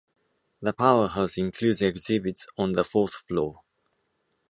The Powerhouse includes exhibits on the fourth floor.